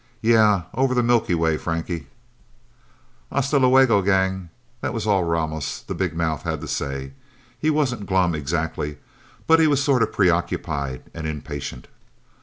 "Yeah over the Milky Way, Frankie!" "Hasta luego, Gang." This was all Ramos, the big mouth, had to say. He wasn't glum, exactly. But he was sort of preoccupied and impatient.